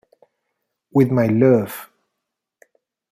With my Luv!